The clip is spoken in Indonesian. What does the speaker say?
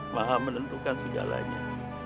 maha menentukan segalanya